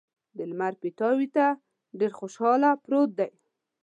د لمر پیتاوي ته ډېر خوشحاله پروت دی.